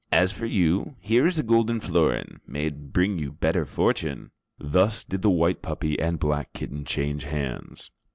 "As for you, here is a golden florin. May it bring you better fortune." Thus did the white puppy and black kitten change hands.